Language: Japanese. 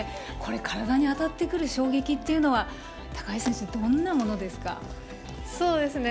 体に当たってくる衝撃は高橋選手、どんなものですか。